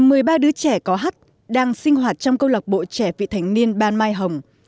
mười ba đứa trẻ có hất đang sinh hoạt trong câu lạc bộ trẻ vị thành niên ban mai hồng